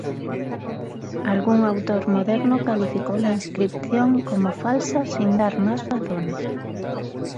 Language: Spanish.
Algún autor moderno calificó la inscripción como falsa sin dar más razones.